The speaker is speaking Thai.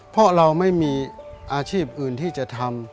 เพราะเราไม่มีอาชีพอื่นที่จะทำ